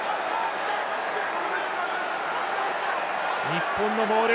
日本のモール。